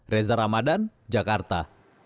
reza ramadan jakarta